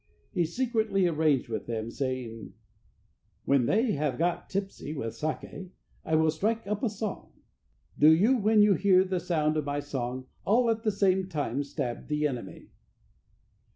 He secretly arranged with them, saying: "When they have got tipsy with sake, I will strike up a song. Do you when you hear the sound of my song, all at the same time stab the enemy."